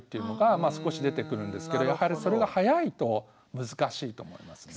まあ少し出てくるんですけどやはりそれが早いと難しいと思いますね。